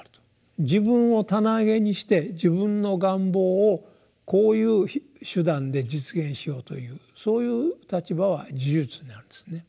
自分を棚上げにして自分の願望をこういう手段で実現しようというそういう立場は「呪術」になるんですね。